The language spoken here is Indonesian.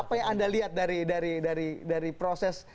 apa yang anda lihat dari proses